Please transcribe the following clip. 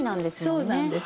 そうなんです。